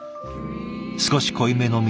少し濃いめの味